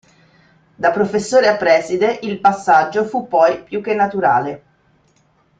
Da professore a preside il passaggio fu poi più che naturale.